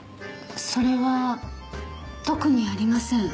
それは特にありません。